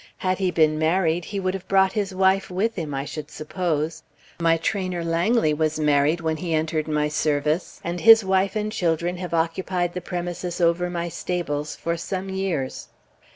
Had he been married, he would have brought his wife with him, I should suppose. My trainer, Langley, was married when he entered my service, and his wife and children have occupied the premises over my stables for some years."